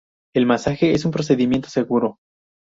El masaje es un procedimiento seguro.